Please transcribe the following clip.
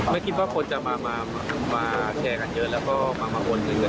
ไม่คิดว่าคนจะมาแชร์กันเยอะแล้วก็มาวนซื้อกัน